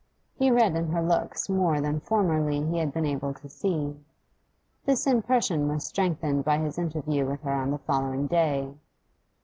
He read in her looks more than formerly he had been able to see. This impression was strengthened by his interview with her on the following day.